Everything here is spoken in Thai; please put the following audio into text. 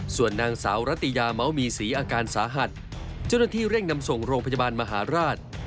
ส่วนนางสาวหระตี่ยาเหมามีสีอาการสาหัสจนโดยที่เร่งนำส่งโรงพยาบาลมหาราช